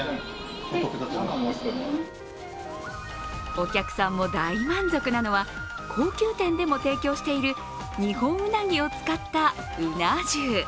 お客さんも大満足なのは高級店でも提供しているにほんうなぎを使ったうな重。